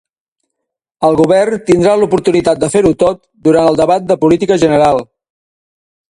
El Govern tindrà l'oportunitat de fer-ho tot durant el debat de política general.